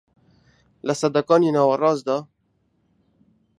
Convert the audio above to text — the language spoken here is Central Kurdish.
لە سەدەکانی ناوەڕاستدا